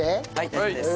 大丈夫です。